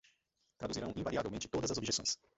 Traduzirão invariavelmente todas as objeções